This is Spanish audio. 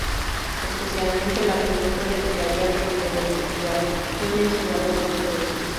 Especialmente el argumento de que se había perdido la diversidad fue mencionado con frecuencia.